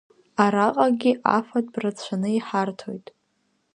Араҟагьы афатә рацәаны иҳарҭоит…